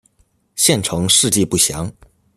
县成事迹不详。